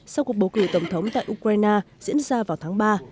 sau cuộc bầu cử tổng thống tại ukraine diễn ra vào tháng ba